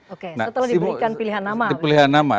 oke setelah diberikan pilihan nama